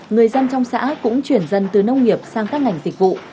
người dân trong xã cũng chuyển dần từ nông nghiệp sang các ngành dịch vụ